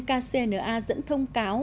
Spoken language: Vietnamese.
kcna dẫn thông cáo